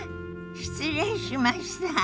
失礼しました。